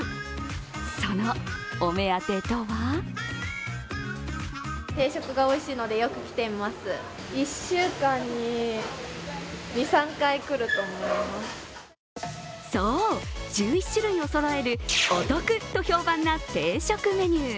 そのお目当てとはそう、１１種類をそろえるお得と評判な定食メニュー。